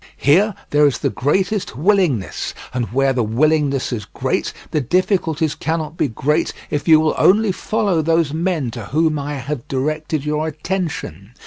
Here there is the greatest willingness, and where the willingness is great the difficulties cannot be great if you will only follow those men to whom I have directed your attention.